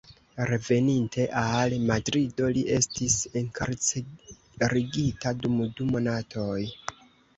Reveninte al Madrido, li estis enkarcerigita dum du monatoj.